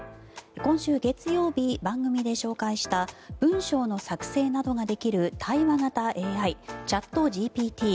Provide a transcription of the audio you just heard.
今週月曜日番組で紹介した文章の作成などができる対話型ＡＩ、チャットＧＰＴ。